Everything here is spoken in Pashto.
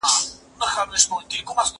زه پرون ږغ اورم وم؟!